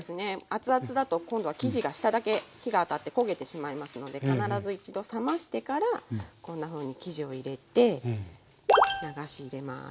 熱々だと今度は生地が下だけ火が当たって焦げてしまいますので必ず一度冷ましてからこんなふうに生地を入れて流し入れます